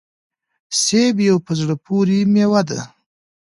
سيب يوه په زړه پوري ميوه ده